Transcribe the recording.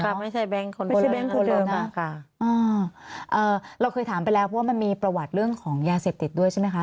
ค่ะไม่ใช่แบงค์คนเดิมไม่ใช่แบงค์คนเดิมอ่ะค่ะอ่าเอ่อเราเคยถามไปแล้วว่ามันมีประวัติเรื่องของยาเสร็จติดด้วยใช่ไหมคะ